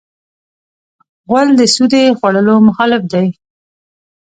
غول د سودي خوړو مخالف دی.